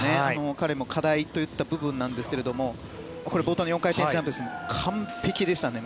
彼も課題といった部分なんですが冒頭の４回転ジャンプですが完璧でしたね。